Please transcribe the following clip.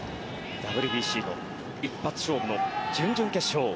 ＷＢＣの一発勝負の準々決勝。